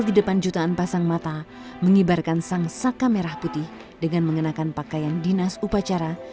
di depan jutaan pasang mata mengibarkan sang saka merah putih dengan mengenakan pakaian dinas upacara